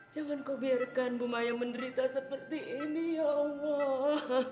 jangan kau biarkan bu maya menderita seperti ini ya allah